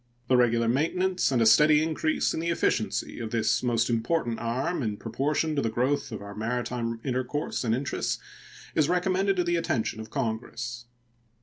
The regular maintenance and a steady increase in the efficiency of this most important arm in proportion to the growth of our maritime intercourse and interests is recommended to the attention of Congress.